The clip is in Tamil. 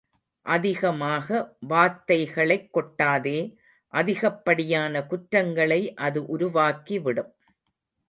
அதிகமாக வாத்தைகளைக் கொட்டாதே அதிகப்படியான குற்றங்களை அது உருவாக்கி விடும்!